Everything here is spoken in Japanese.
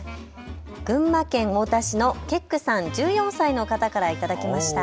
群馬県太田市のけっくさん、１４歳の方から頂きました。